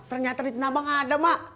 ternyata di tanabang ada ma